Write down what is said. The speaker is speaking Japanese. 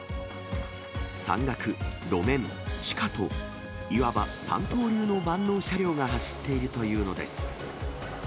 山岳、路面、地下と、いわば三刀流の万能車両が走っているというのです。